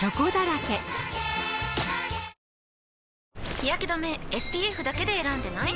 日やけ止めＳＰＦだけで選んでない？